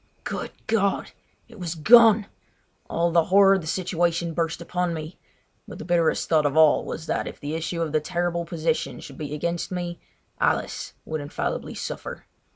Good God! It was gone! All the horror of the situation burst upon me; but the bitterest thought of all was that if the issue of the terrible position should be against me Alice would infallibly suffer.